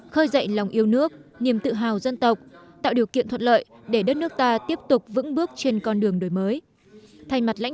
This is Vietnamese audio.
khơi dậy lòng yêu nước niềm tự hào dân tộc tạo điều kiện thuận lợi để đất nước ta tiếp tục vững bước trên con đường đổi mới